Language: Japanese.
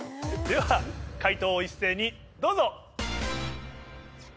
では解答を一斉にどうぞ！